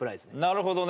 なるほどね。